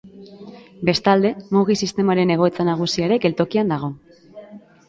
Bestalde, Mugi sistemaren egoitza nagusia ere geltokian dago.